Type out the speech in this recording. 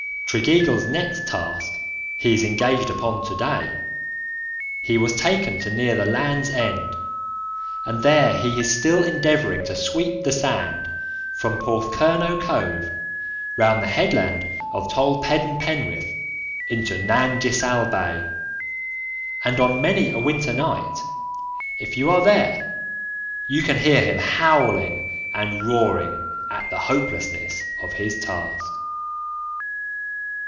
Tregeagle's next task he is engaged upon to day. He was taken to near the Land's End, and there he is still endeavouring to sweep the sand from Porthcurnow Cove round the headland of Tol Peden Penwith into Nanjisal Bay, and on many a winter night if you are there you can hear him howling and roaring at the hopelessness of his task.